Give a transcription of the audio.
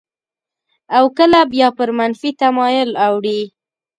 او کله بیا پر منفي تمایل اوړي.